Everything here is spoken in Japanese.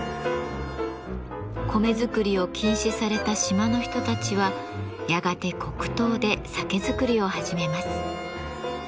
米作りを禁止された島の人たちはやがて黒糖で酒づくりを始めます。